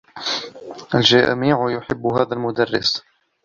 الجميع يحبّ هذا المدرّس.